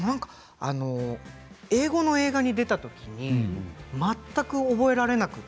英語の映画に出た時に全く覚えられなくて。